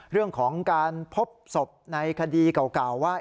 เรื่องของการพบศพในคดีเก่าว่า